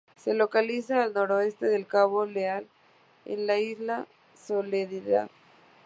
Se localiza al noroeste del cabo Leal en la isla Soledad.